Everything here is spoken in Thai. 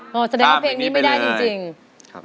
ข้าม